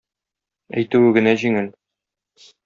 Әйтүе генә җиңел.